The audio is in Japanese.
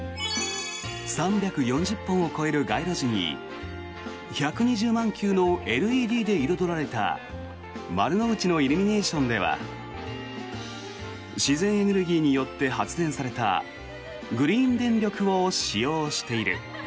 ３４０本を超える街路樹に１２０万球のＬＥＤで彩られた丸の内のイルミネーションでは自然エネルギーによって発電されたグリーン電力を使用している。